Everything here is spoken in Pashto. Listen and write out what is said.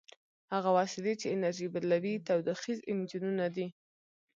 هغه وسیلې چې انرژي بدلوي تودوخیز انجنونه دي.